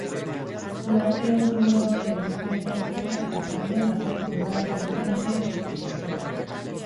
Udazken-negu denboraldian eman zen ezagutzera eta jarraian datorren udaberri-udan ere asko ikusiko dugu.